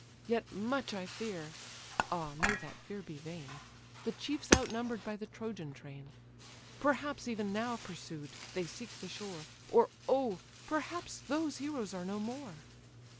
Yet much I fear (ah, may that fear be vain!) The chiefs outnumber'd by the Trojan train; Perhaps, even now pursued, they seek the shore; Or, oh! perhaps those heroes are no more."